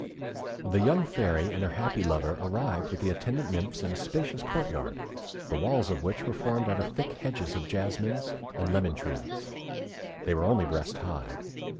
The young Fairy and her happy lover arrived with the attendant nymphs in a spacious court yard, the walls of which were formed out of thick hedges of jasmines and lemon trees. They were only breast high.